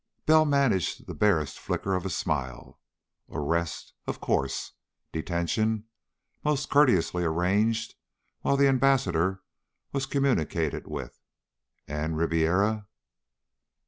Bell managed the barest flicker of a smile. Arrest, of course. Detention, most courteously arranged, while the Ambassador was communicated with. And Ribiera.